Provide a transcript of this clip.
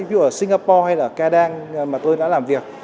ví dụ ở singapore hay là kedang mà tôi đã làm việc